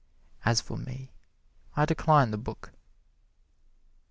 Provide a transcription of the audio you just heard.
As for me, I decline the book.